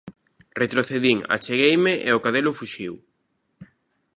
retrocedín, achegueime e o cadelo fuxiu.